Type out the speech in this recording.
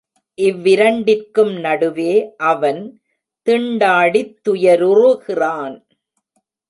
இவ்விரண்டிற்கும் நடுவே அவன் திண்டாடித் துயருறுகிறான்.